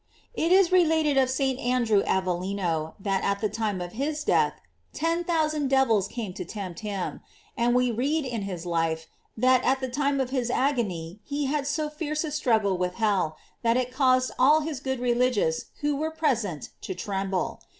It is related of St. Andrew Avellino, that at the time of his death, ten thousand devils came to tempt him; and we read in his life, that at the time of his agony lie had so fierce a struggle with hell, that it caused all his good religious who were present to tremble.